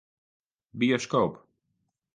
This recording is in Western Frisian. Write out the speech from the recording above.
Bioskoop.